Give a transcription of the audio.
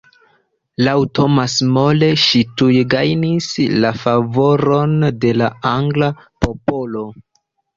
Laŭ Thomas More ŝi tuj gajnis la favoron de la angla popolo.